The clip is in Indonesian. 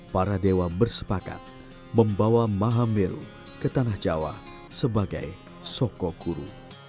para dewa bersepakat membawa mahameru ke tanah jawa sebagai sokokuru